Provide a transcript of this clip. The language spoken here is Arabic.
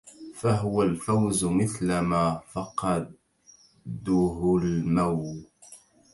فهو الفوزُ مثلما فقدُهُ المو